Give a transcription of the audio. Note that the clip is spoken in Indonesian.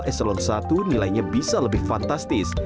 eselon i nilainya bisa lebih fantastis